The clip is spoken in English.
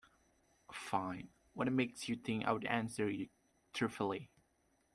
Fine, what makes you think I'd answer you truthfully?